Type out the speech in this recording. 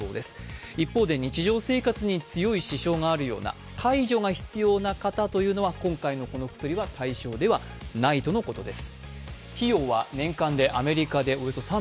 一方で日常生活に強い支障があるような、解除が必要な方は今回のこの薬の対象ではないということです。